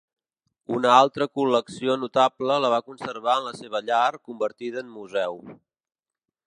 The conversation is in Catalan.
Una altra col·lecció notable la va conservar en la seva llar, convertida en museu.